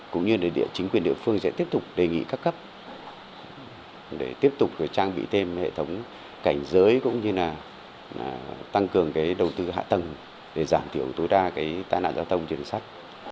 cũng như nội địa chính quyền địa phương sẽ tiếp tục đề nghị các cấp để tiếp tục trang bị thêm hệ thống cảnh giới cũng như là tăng cường đầu tư hạ tầng để giảm thiểu tối đa tai nạn giao thông trên đường sắt